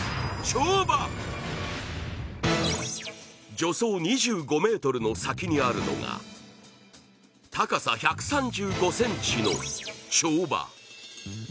助走２５ｍの先にあるのが高さ１３５ｃｍの跳馬。